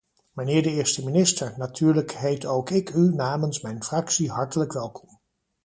Mijnheer de eerste minister, natuurlijk heet ook ik u namens mijn fractie hartelijk welkom.